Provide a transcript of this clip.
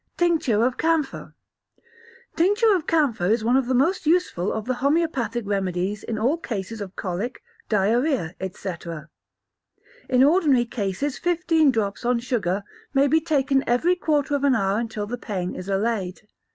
Tincture of Camphor Tincture of camphor is one of the most useful of the homoeopathic remedies in all cases of colic, diarrhoea, etc. In ordinary cases fifteen drops on sugar may be taken every quarter of an hour until the pain is allayed.